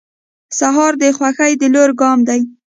سهار د خوښۍ د لوري ګام دی.